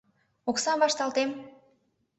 Оксам вашталтем...